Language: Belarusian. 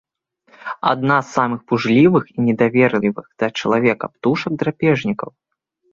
Адна з самых пужлівых і недаверлівых да чалавека птушак-драпежнікаў.